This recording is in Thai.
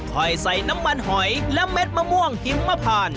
ค่อยใส่น้ำมันหอยและเม็ดมะม่วงหิมมะพาน